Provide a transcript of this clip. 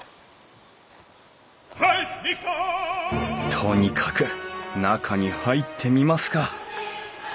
とにかく中に入ってみますか。